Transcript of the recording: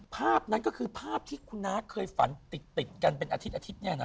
ภาพนั้นก็คือภาพที่คุณน้าเคยฝันติดกันเป็นอาทิตอาทิตย์เนี่ยนะ